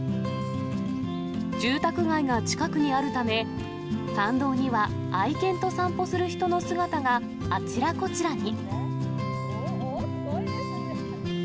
住宅街が近くにあるため、参道には愛犬と散歩する人の姿があちらこちらに。